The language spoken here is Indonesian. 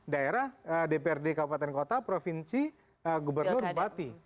daerah dprd kabupaten kota provinsi gubernur bupati